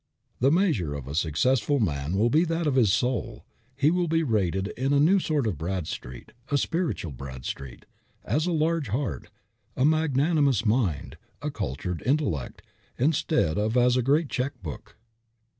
The measure of a successful man will be that of his soul; he will be rated in a new sort of Bradstreet, a spiritual Bradstreet, as a large heart, a magnanimous mind, a cultured intellect, instead of as a great check book.